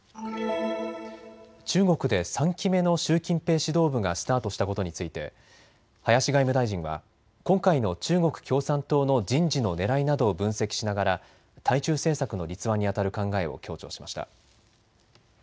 中国で３期目の習近平指導部がスタートしたことについて林外務大臣は今回の中国共産党の人事のねらいなどを分析しながら対中政策の立案にあたる考えを強調しました。